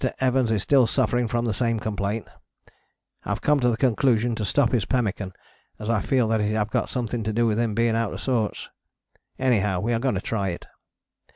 Evans is still suffering from the same complaint: have come to the conclusion to stop his pemmican, as I feel that it have got something to do with him being out of sorts. Anyhow we are going to try it.